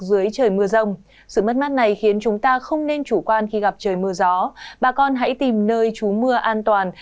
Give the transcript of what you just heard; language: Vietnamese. dưới trời mưa rông sự mất mát này khiến chúng ta không nên chủ quan khi gặp trời mưa gió bà con hãy tìm nơi trú mưa an toàn